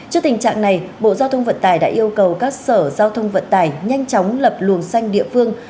trước tình trạng này bộ giao thông vận tải đã yêu cầu các sở giao thông vận tải nhanh chóng lập luồng xanh địa phương